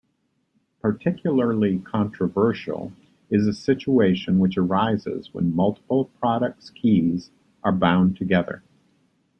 Particularly controversial is the situation which arises when multiple products' keys are bound together.